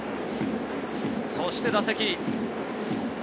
そして打席。